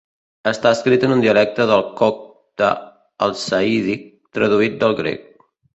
Està escrit en un dialecte del copte, el sahídic, traduït del grec.